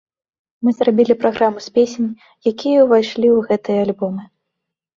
Мы зрабілі праграму з песень, якія ўвайшлі ў гэтыя альбомы.